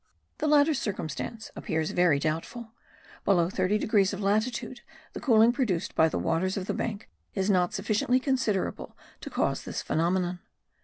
The latter circumstance appears very doubtful; below 30 degrees of latitude the cooling produced by the waters of the bank is not sufficiently considerable to cause this phenomenon.